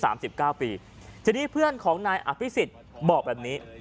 สิบเก้าปีทีนี้เพื่อนของนายอภิษฎบอกแบบนี้